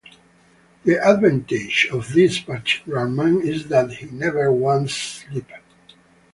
The advantage of this particular man is that he never wants sleep.